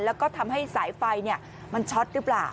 แล้วก็ทำให้สายไฟเนี่ยมันช็อตรึเปล่า